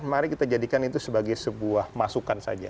mari kita jadikan itu sebagai sebuah masukan saja